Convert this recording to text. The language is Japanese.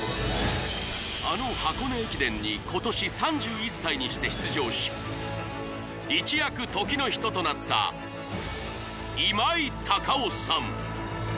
あの箱根駅伝に今年３１歳にして出場し一躍時の人となった今井隆生さん